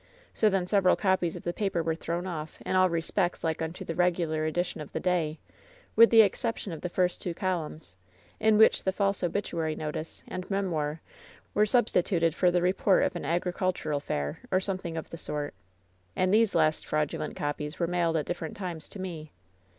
So then several copies of the paper were thrown off, in all respects like unto the regular edition of the day, with the exception of the first two columns, in which the false obituary notice and memoir were substituted for the report of an agricul tural fair, or something of the sort. And these last fraudulent copies were mailed at different times to me.